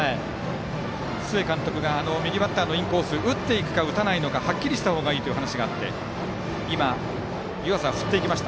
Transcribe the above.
須江監督が右バッターのインコース打っていくか、打たないのかはっきりしたほうがいいという話がありまして湯浅は振っていきました。